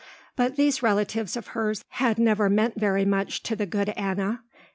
But these relatives of hers had never meant very much to the good Anna.